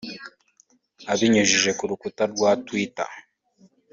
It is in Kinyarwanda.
Abinyujije ku rukuta rwa Twitter